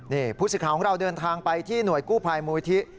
นี่ผู้สิทธิ์ของเราเดินทางไปที่หน่วยกู้ภัยมูลิธิ